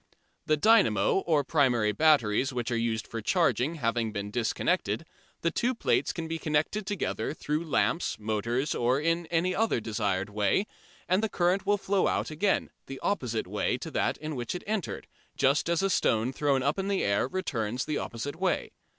The dynamo or primary batteries which are used for charging having been disconnected, the two plates can be connected together through lamps, motors, or in any other desired way, and the current will then flow out again, the opposite way to that in which it entered, just as a stone thrown up in the air returns the opposite way.